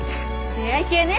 出会い系ね。